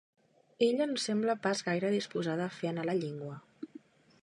Ella no sembla pas gaire disposada a fer anar la llengua.